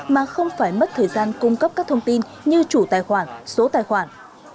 mà không phải mất thời gian cung cấp các thông tin như chủ tài khoản số tài khoản